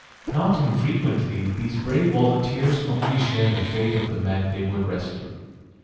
Not infrequently these brave volunteers only share the fate of the men they would rescue.